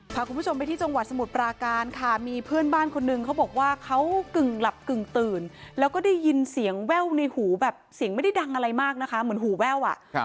พาคุณผู้ชมไปที่จังหวัดสมุทรปราการค่ะมีเพื่อนบ้านคนนึงเขาบอกว่าเขากึ่งหลับกึ่งตื่นแล้วก็ได้ยินเสียงแว่วในหูแบบเสียงไม่ได้ดังอะไรมากนะคะเหมือนหูแว่วอ่ะ